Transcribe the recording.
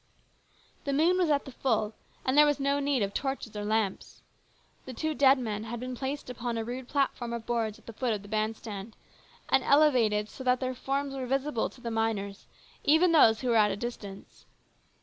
The moon was at the full, and there was no need of torches or lamps. The two dead men had been placed upon a rude platform of boards at the foot of the band stand, and elevated so that their forms were A MEMORABLE NIGHT. 153 visible to the miners, even those who were at a distance.